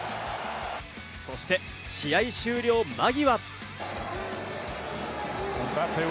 そして、試合終了間際。